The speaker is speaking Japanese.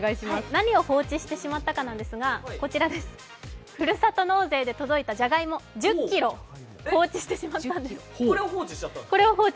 何を放置してしまったかなんですが、こちらです、ふるさと納税で届いたじゃがいも１０ｋｇを放置してしまったんです、これを放置。